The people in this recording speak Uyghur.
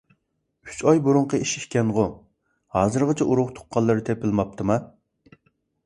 ئۈچ ئاي بۇرۇنقى ئىش ئىكەنغۇ؟ ھازىرغىچە ئۇرۇق تۇغقانلىرى تېپىلماپتىما؟